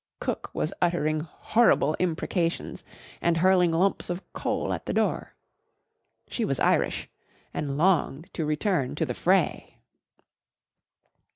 Cook was uttering horrible imprecations and hurling lumps of coal at the door. She was Irish and longed to return to the fray.